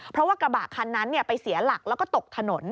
เพราะว่ากระบะคันนั้นไปเสียหลักแล้วก็ตกถนน